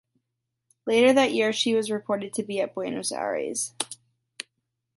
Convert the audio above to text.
Later that year she was reported to be at Buenos Aires.